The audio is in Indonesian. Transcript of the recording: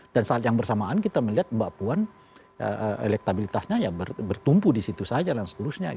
dan saat yang bersamaan kita melihat mbak puan elektabilitasnya ya bertumpu di situ saja dan seterusnya